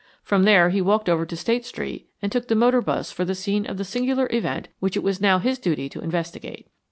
From there he walked over to State Street and took the motor bus for the scene of the singular event which it was now his duty to investigate.